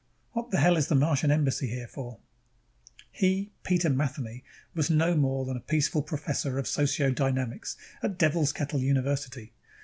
What the hell is the Martian Embassy here for? He, Peter Matheny, was no more than a peaceful professor of sociodynamics at Devil's Kettle University.